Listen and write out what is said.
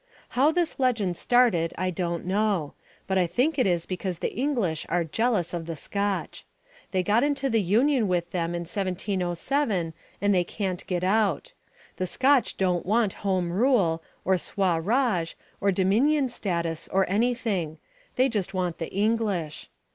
How this legend started I don't know, but I think it is because the English are jealous of the Scotch. They got into the Union with them in 1707 and they can't get out. The Scotch don't want Home Rule, or Swa Raj, or Dominion status, or anything; they just want the English.